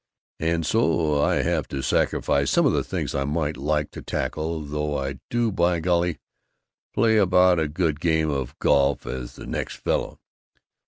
"And so I have to sacrifice some of the things I might like to tackle, though I do, by golly, play about as good a game of golf as the next fellow!"